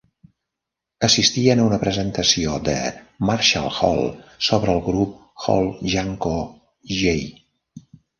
Assistien a una presentació de Marshall Hall sobre el grup Hall-Janko J.